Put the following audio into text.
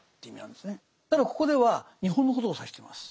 ただここでは日本のことを指しています。